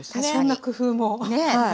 そんな工夫も。